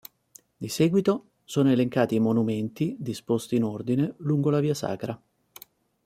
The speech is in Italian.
Di seguito sono elencati i monumenti, disposti in ordine, lungo la via sacra.